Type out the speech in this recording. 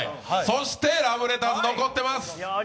そしてラブレターズ、残ってます。